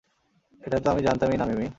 এটাতো আমি জানতাম-ই না মিমি।